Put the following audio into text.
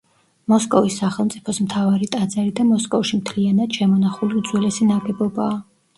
მოსკოვის სახელმწიფოს მთავარი ტაძარი და მოსკოვში მთლიანად შემონახული უძველესი ნაგებობაა.